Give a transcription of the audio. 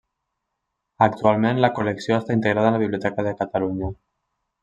Actualment la col·lecció està integrada en la Biblioteca de Catalunya.